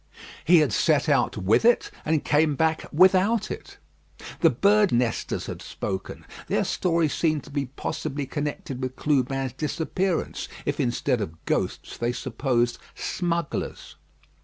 "He had set out with it, and come back without it." The birds' nesters had spoken: their story seemed to be possibly connected with Clubin's disappearance, if instead of ghosts they supposed smugglers.